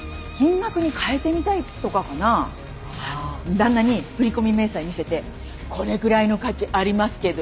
旦那に振り込み明細見せて「これぐらいの価値ありますけど」